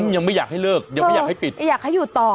ยังไม่อยากให้เลิกยังไม่อยากให้ปิดอยากให้อยู่ต่อ